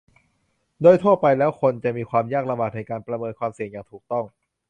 โดยทั่วไปแล้ว คนจะมีความยากลำบากในการประเมินความเสี่ยงอย่างถูกต้อง